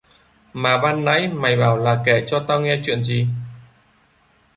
Mà ban nãy mày bảo là kể cho tao nghe chuyện gì